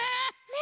ね